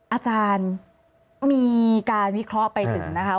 อาจารย์มีการวิเคราะห์ไปถึงนะคะ